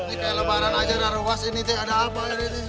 ini kayak lebaran aja ada ruas ini ada apa ini